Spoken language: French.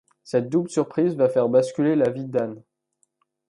Cette double surprise va faire basculer la vie d'Ann.